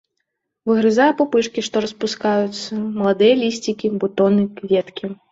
Выгрызае пупышкі, што распускаюцца, маладыя лісцікі, бутоны, кветкі.